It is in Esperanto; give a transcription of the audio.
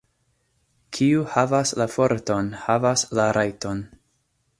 Kiu havas la forton, havas la rajton.